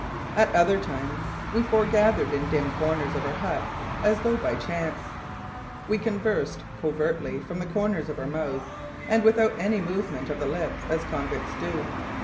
At other times we foregathered in dim corners of our huts as though by chance. We conversed covertly from the corners of our mouths and without any movement of the lips, as convicts do.